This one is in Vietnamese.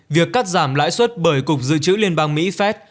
việc cắt giảm lãi suất bởi cục dự trữ liên bang mỹ phép